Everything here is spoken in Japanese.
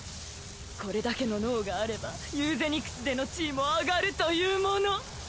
これだけの脳があればユーゼニクスでの地位も上がるというもの